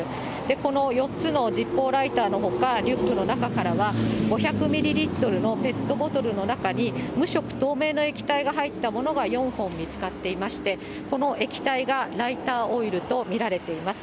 この４つのジッポーライターのほか、リュックの中からは、５００ミリリットルのペットボトルの中に、無色透明の液体が入ったものが４本見つかっていまして、この液体がライターオイルと見られています。